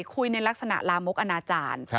คุยในลักษณะลามกอนาจารย์